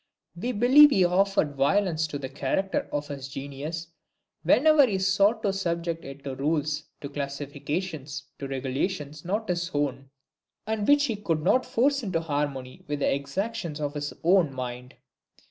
We believe he offered violence to the character of his genius whenever he sought to subject it to rules, to classifications, to regulations not his own, and which he could not force into harmony with the exactions of his own mind.